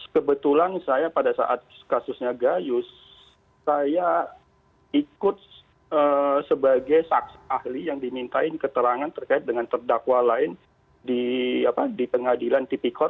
kebetulan saya pada saat kasusnya gayus saya ikut sebagai saksi ahli yang dimintain keterangan terkait dengan terdakwa lain di pengadilan tipikor